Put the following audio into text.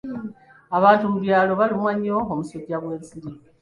Abantu mu byalo balumwa nnyo omusujja gw'ensiri.